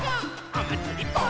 おまつりぽん！